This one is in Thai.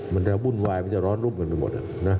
มันจะวุ่นวายมันจะร้อนรุ่มกันไปหมด